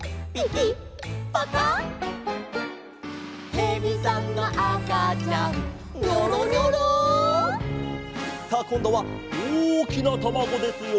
「へびさんのあかちゃん」「ニョロニョロ」さあこんどはおおきなたまごですよ！